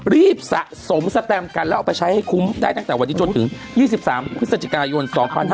สะสมสแตมกันแล้วเอาไปใช้ให้คุ้มได้ตั้งแต่วันนี้จนถึง๒๓พฤศจิกายน๒๕๕๙